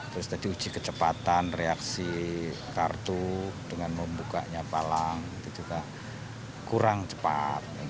terus tadi uji kecepatan reaksi kartu dengan membukanya palang itu juga kurang cepat